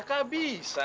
aku mau bunuh raka